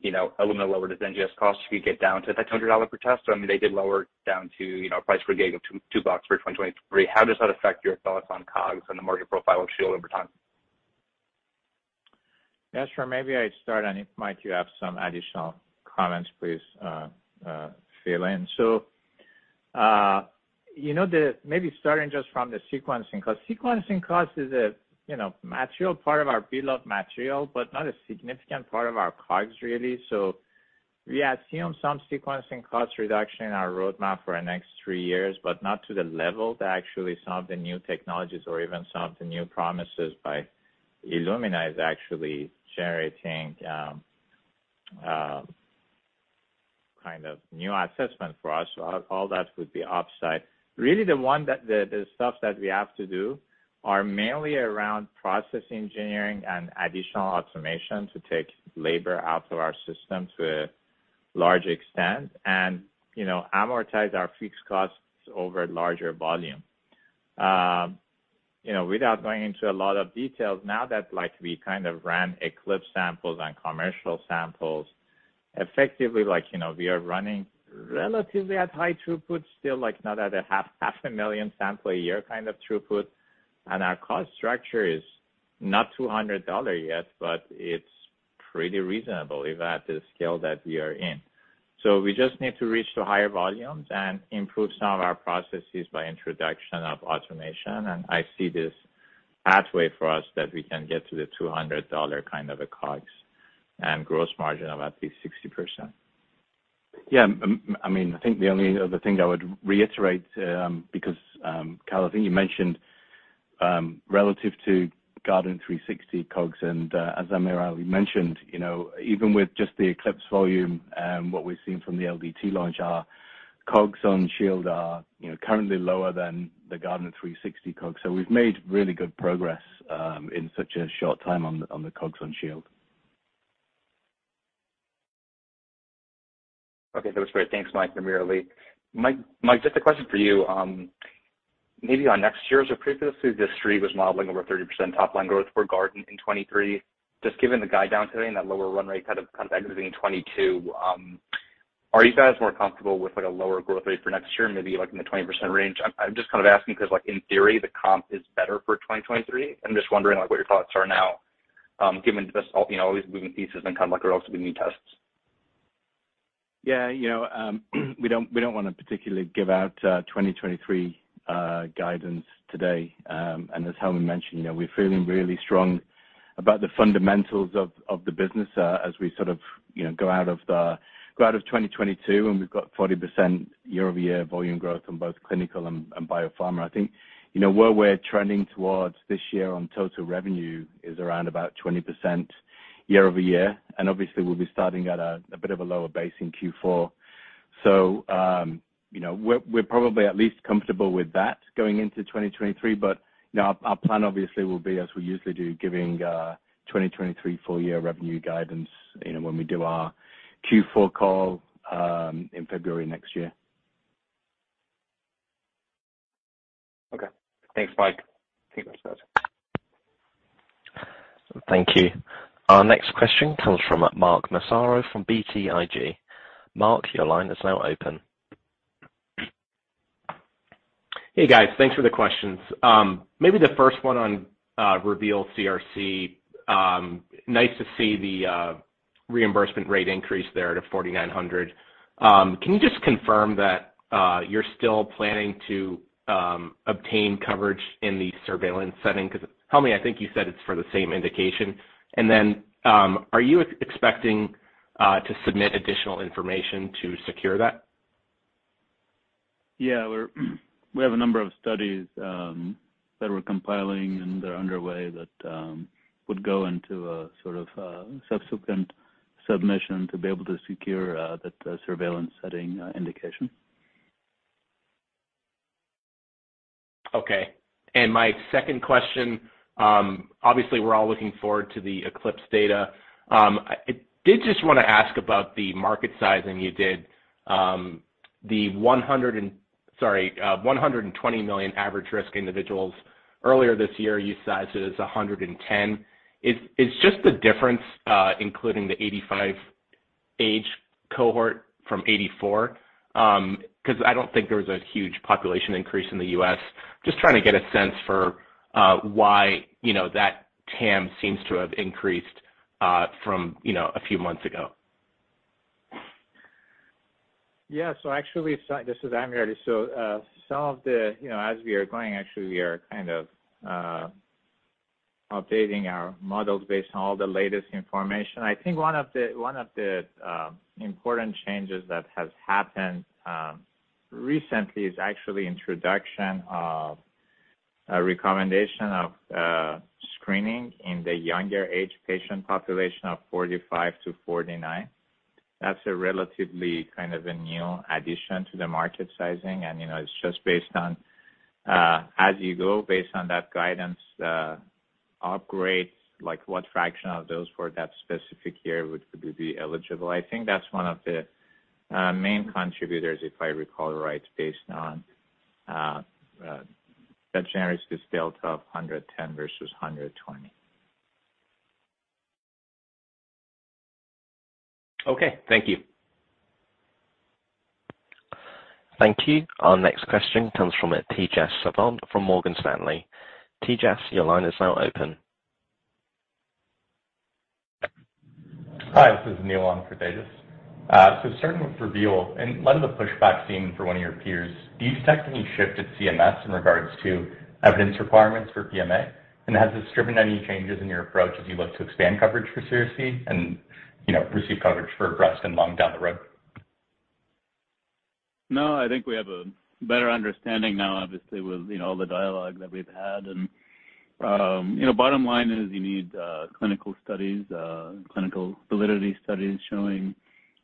you know, Illumina lowered its NGS costs, you could get down to that $200 per test. I mean, they did lower it down to, you know, a price per gig of $2 for 2023. How does that affect your thoughts on COGS and the margin profile of Shield over time? Yeah, sure. Maybe I start and if Mike you have some additional comments, please, fill in. You know, maybe starting just from the sequencing cost. Sequencing cost is a you know material part of our bill of material, but not a significant part of our COGS really. We assume some sequencing cost reduction in our roadmap for the next three years, but not to the level that actually some of the new technologies or even some of the new promises by Illumina is actually generating kind of new assessment for us. All that would be upside. Really the stuff that we have to do are mainly around process engineering and additional automation to take labor out of our system to a large extent and you know amortize our fixed costs over larger volume. You know, without going into a lot of details now that like we kind of ran ECLIPSE samples and commercial samples, effectively like, you know, we are running relatively at high throughput still like now that 500,000 samples a year kind of throughput. Our cost structure is not $200 yet, but it's pretty reasonable even at the scale that we are in. We just need to reach to higher volumes and improve some of our processes by introduction of automation. I see this pathway for us that we can get to the $200 kind of a COGS and gross margin of at least 60%. Yeah. I mean, I think the only other thing I would reiterate, because Kyle, I think you mentioned relative to Guardant360 COGS, and as AmirAli mentioned, you know, even with just the ECLIPSE volume and what we've seen from the LDT launch, our COGS on Shield are, you know, currently lower than the Guardant360 COGS. We've made really good progress in such a short time on the COGS on Shield. Okay. That was great. Thanks, Mike and AmirAli. Mike, just a question for you. Maybe on next year's or previously the Street was modeling over 30% top line growth for Guardant in 2023. Just given the guide down today and that lower run rate kind of exiting 2022, are you guys more comfortable with like a lower growth rate for next year, maybe like in the 20% range? I'm just kind of asking because like in theory, the comp is better for 2023. I'm just wondering like what your thoughts are now, given this, you know, all these moving pieces and kind of like relatively new tests. Yeah. You know, we don't wanna particularly give out 2023 guidance today. As Helmy mentioned, you know, we're feeling really strong about the fundamentals of the business as we sort of, you know, go out of 2022, and we've got 40% Year-Over-Year volume growth on both clinical and biopharma. I think, you know, where we're trending towards this year on total revenue is around about 20% Year-Over-Year, and obviously we'll be starting at a bit of a lower base in Q4. you know, we're probably at least comfortable with that going into 2023, but, you know, our plan obviously will be as we usually do, giving 2023 full year revenue guidance, you know, when we do our Q4 call, in February next year. Okay. Thanks, Mike. Thank you. Our next question comes from Mark Massaro from BTIG. Mark, your line is now open. Hey, guys. Thanks for the questions. Maybe the first one on Reveal CRC, nice to see the reimbursement rate increase there to $4,900. Can you just confirm that you're still planning to obtain coverage in the surveillance setting? 'Cause tell me, I think you said it's for the same indication. Are you expecting to submit additional information to secure that? Yeah. We have a number of studies that we're compiling and they're underway that would go into a sort of subsequent submission to be able to secure the surveillance setting indication. Okay. My second question, obviously we're all looking forward to the ECLIPSE data. I did just wanna ask about the market sizing you did. The 120 million average risk individuals. Earlier this year, you sized it as 110. Is just the difference including the 85 age cohort from 84? 'Cause I don't think there was a huge population increase in the U.S. Just trying to get a sense for why, you know, that TAM seems to have increased from, you know, a few months ago. Yeah. Actually, this is AmirAli. Some of the, you know, as we are going, actually we are kind of updating our models based on all the latest information. I think one of the important changes that has happened recently is actually introduction of a recommendation of screening in the younger age patient population of 45 to 49. That's a relatively kind of a new addition to the market sizing. You know, it's just based on as you go based on that guidance, upgrades, like what fraction of those for that specific year would be eligible. I think that's one of the main contributors, if I recall right, based on that generates the scale of 110 versus 120. Okay, thank you. Thank you. Our next question comes from Tejas Savant from Morgan Stanley. Tejas, your line is now open. Hi, this is Neil on for Tejas Savant. Starting with Reveal and lot of the pushback seen for one of your peers, do you detect any shift at CMS in regards to evidence requirements for PMA? Has this driven any changes in your approach as you look to expand coverage for CRC and, you know, receive coverage for breast and lung down the road? No, I think we have a better understanding now, obviously, with, you know, all the dialogue that we've had. You know, bottom line is you need clinical studies, clinical validity studies showing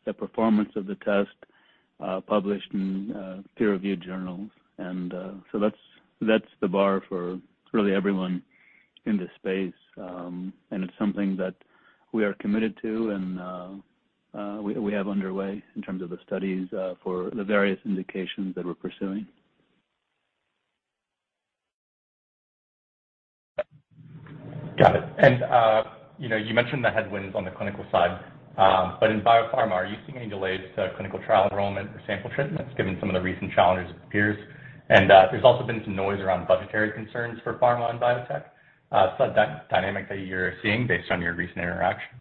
the performance of the test, published in Peer-Reviewed journals. So that's the bar for really everyone in this space. It's something that we are committed to and we have underway in terms of the studies for the various indications that we're pursuing. Got it. You know, you mentioned the headwinds on the clinical side. In biopharma, are you seeing any delays to clinical trial enrollment or sample treatments, given some of the recent challenges with peers? There's also been some noise around budgetary concerns for pharma and biotech. That dynamic that you're seeing based on your recent interactions.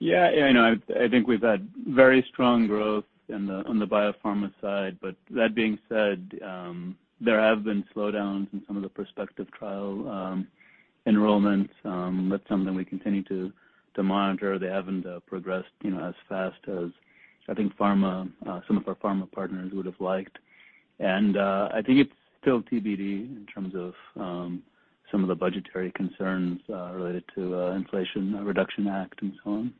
Yeah, you know, I think we've had very strong growth in the, on the biopharma side. That being said, there have been slowdowns in some of the prospective trial enrollments. That's something we continue to monitor. They haven't progressed, you know, as fast as I think pharma some of our pharma partners would have liked. I think it's still TBD in terms of some of the budgetary concerns related to Inflation Reduction Act and so on.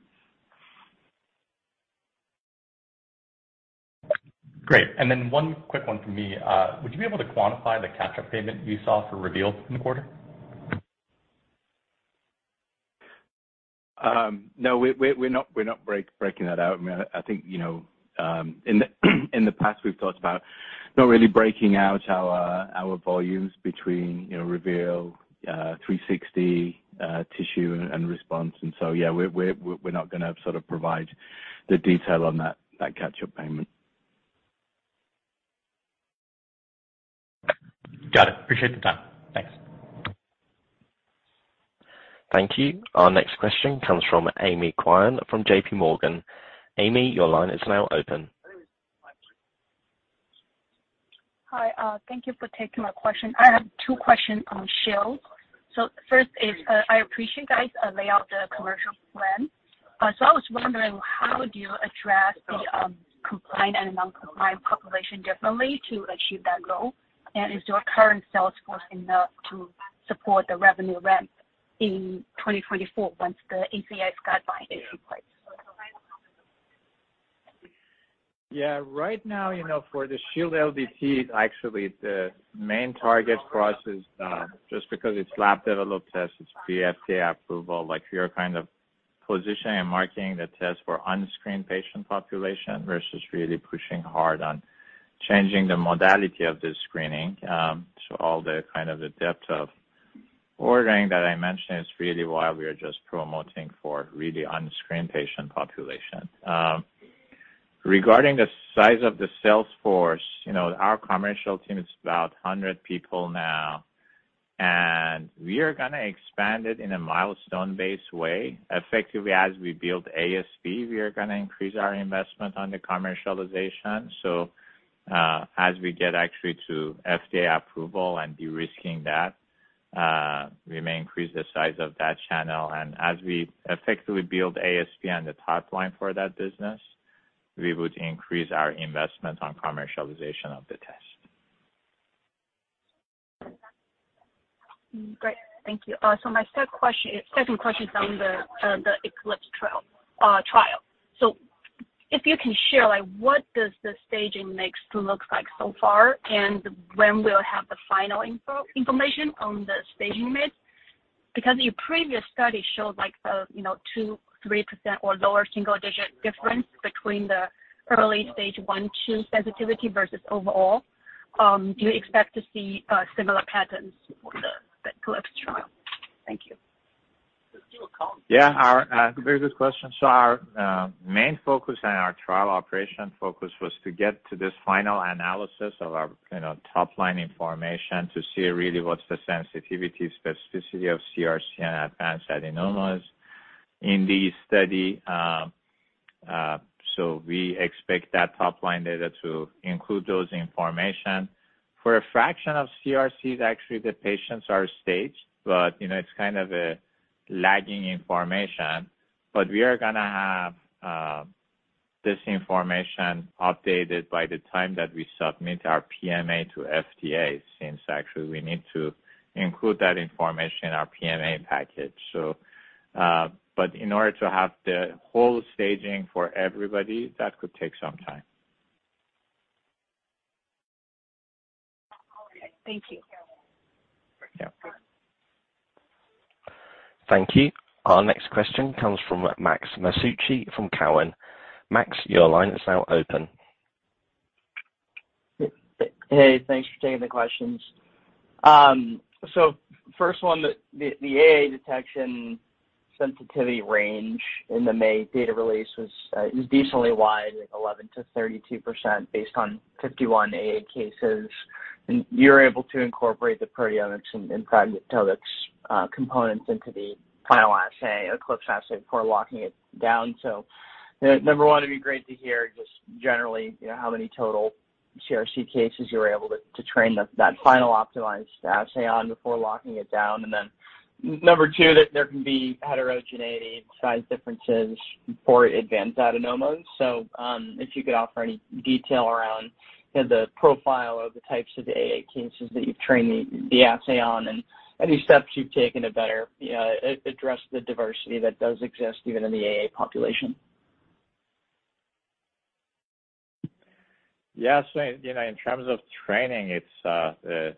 Great. One quick one from me. Would you be able to quantify the catch-up payment you saw for Reveal in the 1/4? No, we're not breaking that out. I mean, I think, you know, in the past we've talked about not really breaking out our volumes between, you know, Reveal, 360, TissueNext and Response. Yeah, we're not gonna provide the detail on that Catch-Up payment. Got it. Appreciate the time. Thanks. Thank you. Our next question comes from Julia Qin from J.P. Morgan. Julia, your line is now open. Hi. Thank you for taking my question. I have two questions on Shield. First is, I appreciate guys lay out the commercial plan. I was wondering how do you address the population differently to achieve that goal? Is your current sales force enough to support the revenue ramp in 2044 once the ACS guideline is in place? Yeah. Right now, you know, for the Shield LDT, actually the main target for us is, just because it's lab developed test, it's Pre FDA approval. Like, we are kind of positioning and marketing the test for unscreened patient population versus really pushing hard on changing the modality of the screening. All the kind of the depth of ordering that I mentioned is really why we are just promoting for really unscreened patient population. Regarding the size of the sales force, you know, our commercial team is about 100 people now, and we are gonna expand it in a Milestone-Based way. Effectively, as we build ASP, we are gonna increase our investment on the commercialization. As we get actually to FDA approval and De-Risking that, we may increase the size of that channel. As we effectively build ASP on the top line for that business, we would increase our investment on commercialization of the test. Great. Thank you. My second question is on the ECLIPSE trial. If you can share, like, what does the staging mix looks like so far, and when we'll have the final information on the staging mix? Because your previous study showed like, you know, 2, 3% or lower single digit difference between the early stage one, two sensitivity versus overall. Do you expect to see similar patterns with the ECLIPSE trial? Thank you. Very good question. Our main focus and our trial operation focus was to get to this final analysis of our, you know, top line information to see really what's the sensitivity specificity of CRC and advanced adenomas in the study. We expect that top line data to include those information. For a fraction of CRCs, actually the patients are staged, but, you know, it's kind of a lagging information. We are gonna have this information updated by the time that we submit our PMA to FDA, since actually we need to include that information in our PMA package. In order to have the whole staging for everybody, that could take some time. Okay. Thank you. Yeah. Thank you. Our next question comes from Max Masucci from Cowen. Max, your line is now open. Hey, thanks for taking the questions. First one, the AA detection sensitivity range in the May data release was decently wide, like 11%-32% based on 51 AA cases. You're able to incorporate the proteomics and proteomics components into the final assay, ECLIPSE assay before locking it down. Number one, it'd be great to hear just generally, you know, how many total CRC cases you were able to train that final optimized assay on before locking it down. Number two, there can be heterogeneity and size differences for advanced adenomas. If you could offer any detail around, you know, the profile of the types of AA cases that you've trained the assay on and any steps you've taken to better, you know, address the diversity that does exist even in the AA population. You know, in terms of training, it's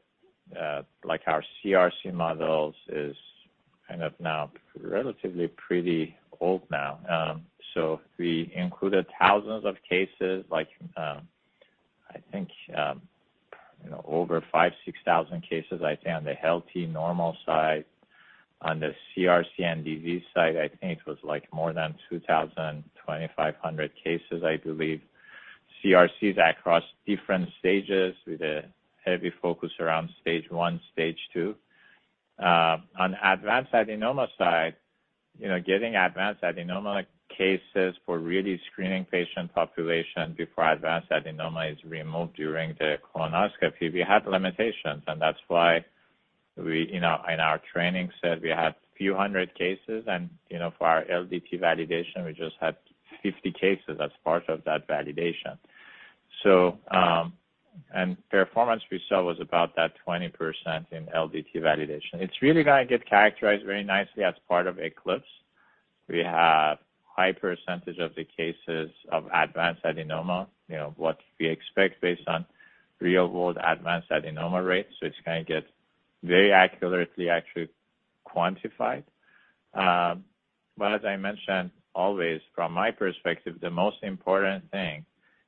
like our CRC models is kind of now relatively pretty old now. We included thousands of cases like, I think, you know, over 5-6 thousand cases I'd say on the healthy normal side. On the CRC and AA side, I think it was like more than 2,000-2,500 cases I believe. CRCs across different stages with a heavy focus around stage one, stage two. On advanced adenoma side, you know, getting advanced adenoma cases for really screening patient population before advanced adenoma is removed during the colonoscopy, we had limitations and that's why we in our training set, we had few hundred cases and, you know, for our LDT validation, we just had 50 cases as part of that validation. Performance we saw was about that 20% in LDT validation. It's really gonna get characterized very nicely as part of ECLIPSE. We have high percentage of the cases of advanced adenoma, you know, what we expect based on real world advanced adenoma rates, which can get very accurately actually quantified. But as I mentioned always, from my perspective, the most important thing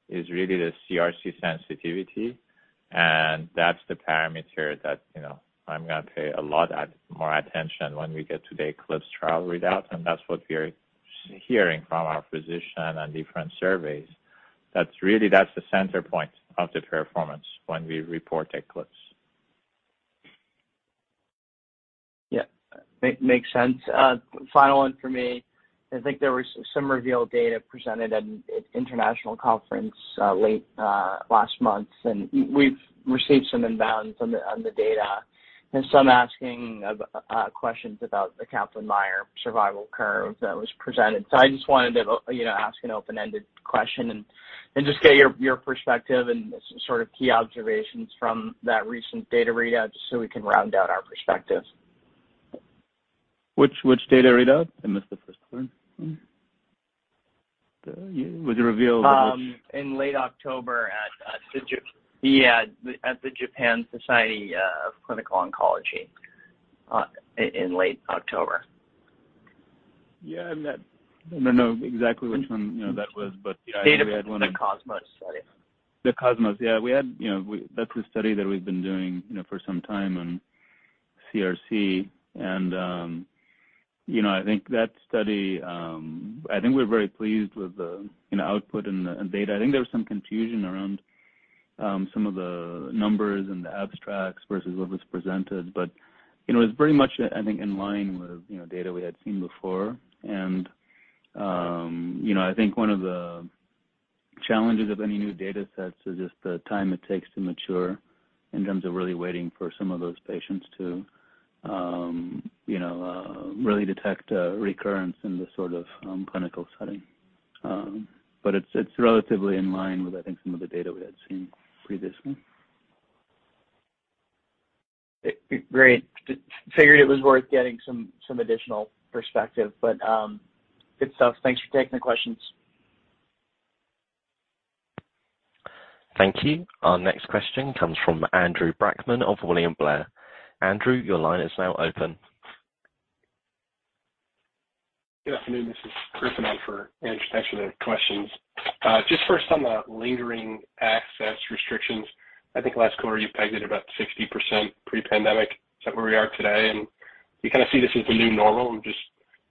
is really the CRC sensitivity, and that's the parameter that, you know, I'm gonna pay a lot more attention when we get to the ECLIPSE trial readouts, and that's what we are hearing from our physicians and different surveys. That's the center point of the performance when we report ECLIPSE. Yeah. Makes sense. Final one for me. I think there was some revealed data presented at an international conference late last month, and we've received some inbounds on the data. Some asking of questions about the Kaplan-Meier survival curve that was presented. I just wanted to, you know, ask an Open-Ended question and just get your perspective and sort of key observations from that recent data readout, just so we can round out our perspective. Which data readout? I missed the first part. Yeah. Was it revealed? In late October at the Japan Society of Clinical Oncology. Yeah. I don't know exactly which one, you know, that was, but, yeah, we had one- Data from the COSMOS study. The COSMOS. Yeah. We had, you know, that's a study that we've been doing, you know, for some time on CRC. I think that study. I think we're very pleased with the, you know, output and the data. I think there was some confusion around some of the numbers and the abstracts versus what was presented. You know, it's very much, I think, in line with, you know, data we had seen before. I think one of the challenges of any new data set is just the time it takes to mature in terms of really waiting for some of those patients to, you know, really detect a recurrence in this sort of clinical setting. It's relatively in line with, I think, some of the data we had seen previously. Great. Figured it was worth getting some additional perspective, but good stuff. Thanks for taking the questions. Thank you. Our next question comes from Andrew Brackmann of William Blair. Andrew, your line is now open. Good afternoon. This is Chris Freeman. Andrew Brackmann's actually got questions. Just first on the lingering access restrictions. I think last 1/4 you pegged it about 60% pre-pandemic. Is that where we are today? Do you kinda see this as the new normal? I'm just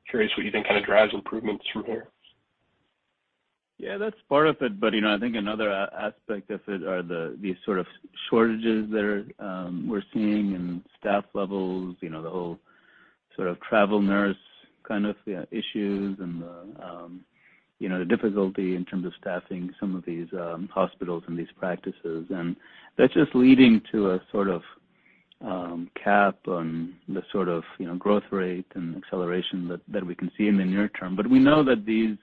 curious what you think kinda drives improvements from here. Yeah, that's part of it. You know, I think another aspect of it are these sort of shortages that we're seeing in staff levels. You know, the whole sort of travel nurse kind of, yeah, issues and the, you know, the difficulty in terms of staffing some of these, hospitals and these practices. That's just leading to a sort of cap on the sort of, you know, growth rate and acceleration that we can see in the near term. We know that these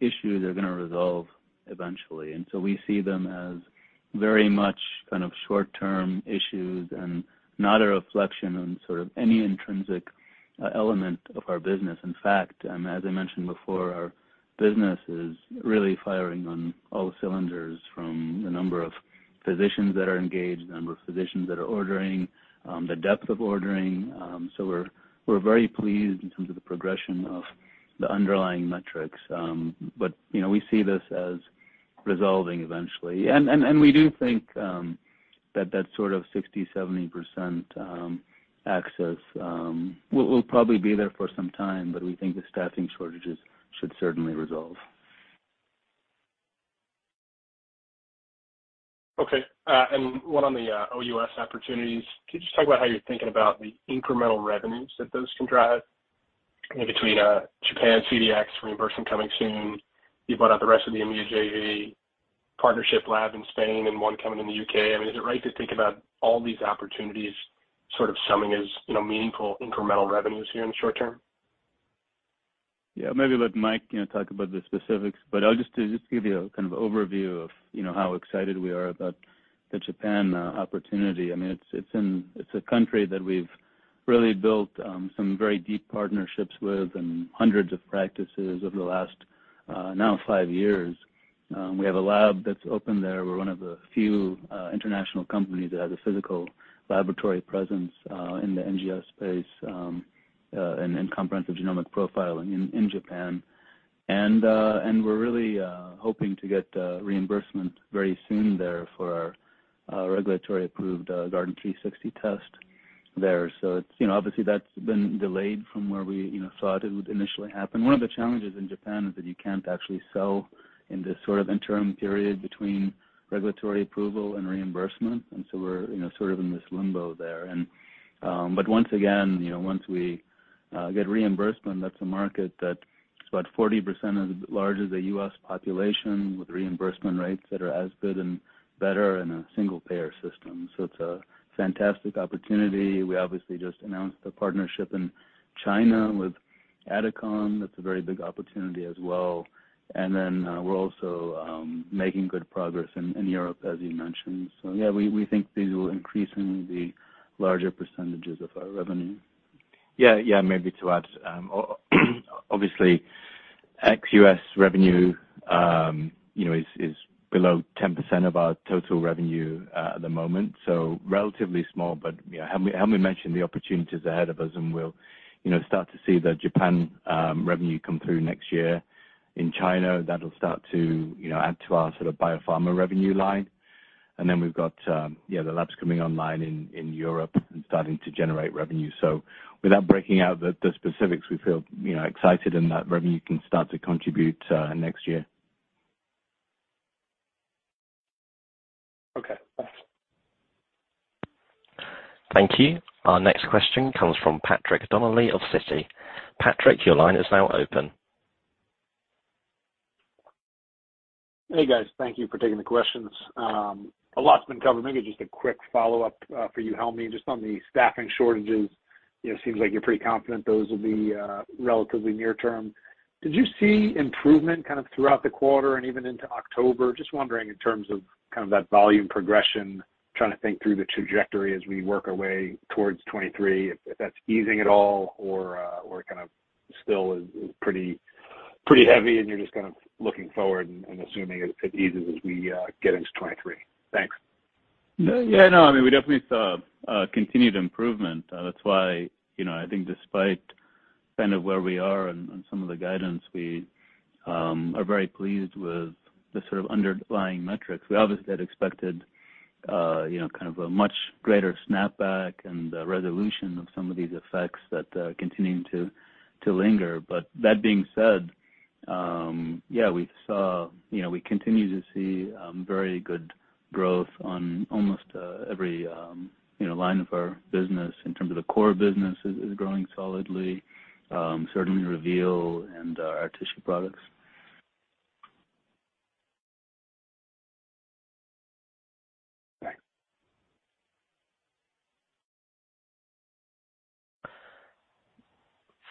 issues are gonna resolve eventually. We see them as very much kind of short-term issues and not a reflection on sort of any intrinsic element of our business. In fact, as I mentioned before, our business is really firing on all cylinders from the number of physicians that are engaged, the number of physicians that are ordering, the depth of ordering. We're very pleased in terms of the progression of the underlying metrics. You know, we see this as resolving eventually. We do think that sort of 60%-70% access will probably be there for some time, but we think the staffing shortages should certainly resolve. Okay. One on the OUS opportunities. Can you just talk about how you're thinking about the incremental revenues that those can drive? I mean, between Japan CDx reimbursement coming soon, you bought out the rest of the Adicon partnership lab in Spain and one coming in the UK. I mean, is it right to think about all these opportunities sort of summing as, you know, meaningful incremental revenues here in the short term? Yeah, maybe let Mike, you know, talk about the specifics, but I'll just give you a kind of overview of, you know, how excited we are about the Japan opportunity. I mean, it's a country that we've really built some very deep partnerships with and hundreds of practices over the last, now five years. We have a lab that's open there. We're one of the few international companies that has a physical laboratory presence in the NGS space in comprehensive genomic profiling in Japan. And we're really hoping to get reimbursement very soon there for our regulatory approved Guardant360 test there. So it's, you know, obviously that's been delayed from where we, you know, thought it would initially happen. One of the challenges in Japan is that you can't actually sell in this sort of interim period between regulatory approval and reimbursement. We're, you know, sort of in this limbo there. Once again, you know, once we get reimbursement, that's a market that's about 40% as large as the U.S. population with reimbursement rates that are as good and better in a Single-Payer system. It's a fantastic opportunity. We obviously just announced the partnership in China with Adicon. That's a very big opportunity as well. We're also making good progress in Europe, as you mentioned. Yeah, we think these will increasingly be larger percentages of our revenue. Yeah. Maybe to add, obviously, ex-US revenue, you know, is below 10% of our total revenue at the moment, so relatively small. You know, Helmy mentioned the opportunities ahead of us, and we'll, you know, start to see the Japan revenue come through next year. In China, that'll start to, you know, add to our sort of biopharma revenue line. We've got, yeah, the labs coming online in Europe and starting to generate revenue. Without breaking out the specifics, we feel, you know, excited and that revenue can start to contribute next year. Okay. Thanks. Thank you. Our next question comes from Patrick Donnelly of Citi. Patrick, your line is now open. Hey guys, thank you for taking the questions. A lot's been covered. Maybe just a quick Follow-Up for you, Helmy, just on the staffing shortages. You know, seems like you're pretty confident those will be relatively near-term. Did you see improvement kind of throughout the 1/4 and even into October? Just wondering in terms of kind of that volume progression, trying to think through the trajectory as we work our way towards 2023, if that's easing at all or kind of still is pretty heavy and you're just kind of looking forward and assuming it eases as we get into 2023. Thanks. Yeah, no, I mean we definitely saw continued improvement. That's why, you know, I think despite kind of where we are and some of the guidance, we are very pleased with the sort of underlying metrics. We obviously had expected, you know, kind of a much greater snapback and resolution of some of these effects that are continuing to linger. That being said, we continue to see very good growth on almost every, you know, line of our business in terms of the core business is growing solidly, certainly Reveal and our tissue products. Thanks.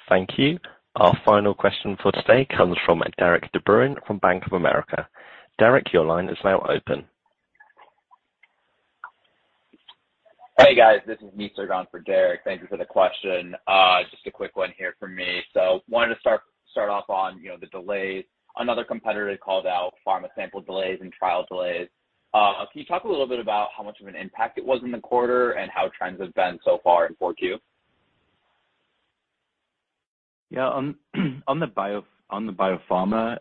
Thank you. Our final question for today comes from Derik De Bruin from Bank of America. Derik, your line is now open. Hey guys, this is me sitting in for Derik De Bruin. Thank you for the question. Just a quick one here from me. Wanted to start off on, you know, the delays. Another competitor called out pharma sample delays and trial delays. Can you talk a little bit about how much of an impact it was in the 1/4 and how trends have been so far in 4Q? Yeah. On the biopharma,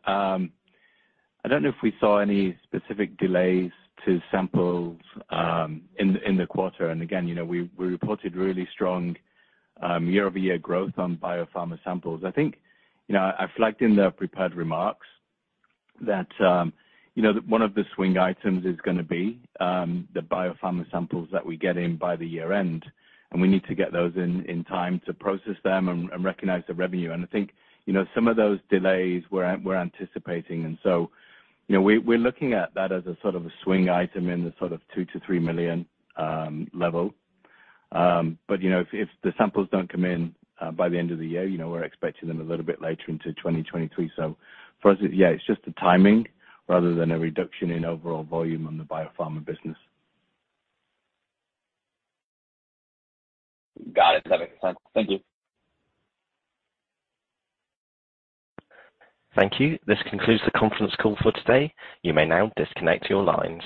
I don't know if we saw any specific delays to samples in the 1/4. Again, you know, we reported really strong Year-Over-Year growth on biopharma samples. I think, you know, I flagged in the prepared remarks that, you know, one of the swing items is gonna be the biopharma samples that we get in by the year end, and we need to get those in time to process them and recognize the revenue. I think, you know, some of those delays we're anticipating. So, you know, we're looking at that as a sort of a swing item in the sort of $2 million-$3 million level. You know, if the samples don't come in by the end of the year, you know, we're expecting them a little bit later into 2023. For us, yeah, it's just the timing rather than a reduction in overall volume on the biopharma business. Got it. That makes sense. Thank you. Thank you. This concludes the conference call for today. You may now disconnect your lines.